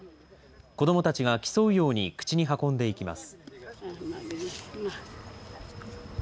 子どもたちが競うように口に運んでいきます。